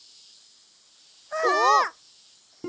あっ！